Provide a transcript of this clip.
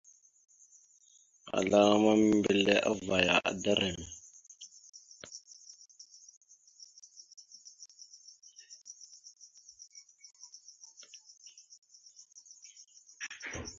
Maazlaraŋa ma, mbelle avvaya, adaɗ rrem.